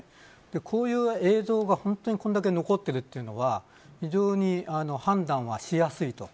こういう映像が本当にこれだけ残っているというのは非常に判断はしやすいと。